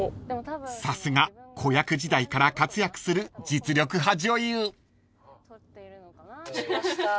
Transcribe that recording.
［さすが子役時代から活躍する実力派女優］着きました。